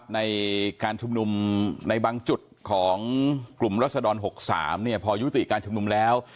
ในการชุมนุมในบางจุดของกลุ่มรัศดร๖๓พอยุติการชุมนุมแล้ว